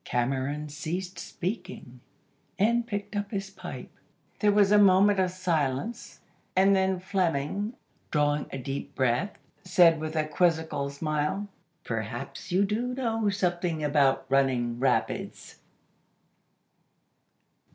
Cameron ceased speaking, and picked up his pipe. There was a moment of silence, and then Fleming, drawing a deep breath, said with a quizzical smile, "Perhaps you do know something about running rapids."